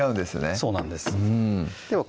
そうなんです